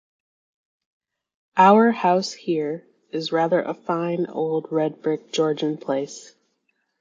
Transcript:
Our house here is rather a fine old red brick Georgian place.